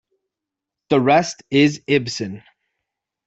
The rest is Ibsen.